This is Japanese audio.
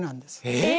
えっ！